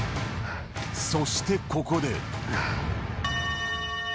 そしてここで。